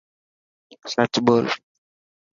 سچ ٻول.